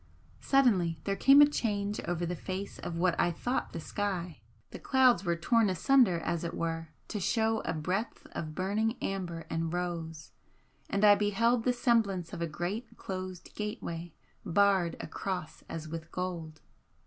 Suddenly there came a change over the face of what I thought the sky the clouds were torn asunder as it were to show a breadth of burning amber and rose, and I beheld the semblance of a great closed Gateway barred across as with gold.